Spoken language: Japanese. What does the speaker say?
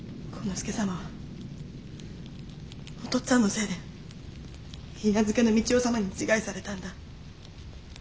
助様はお父っつぁんのせいで許嫁の三千代様に自害されたんだ。